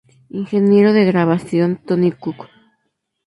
Ingeniero de grabación: Tony Cook.